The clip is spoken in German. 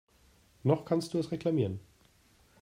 Noch kannst du es reklamieren.